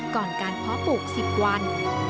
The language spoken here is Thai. ก่อนการเพาะปลูก๑๐วัน